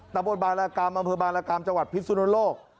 ตะบนบารกรรมอำเภอบารกรรมจังหวัดพิสุนโลก